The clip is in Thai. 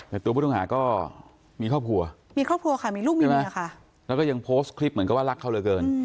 แต่ตัวพูดลงหาก็มีครอบครัวมีครอบครัวค่ะมีลูกมีมือค่ะแล้วเรายังโพสต์คลิปเมื่อนานที่ก็รักเค้าเกิน